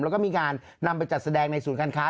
แล้วก็มีการนำไปจัดแสดงในศูนย์การค้า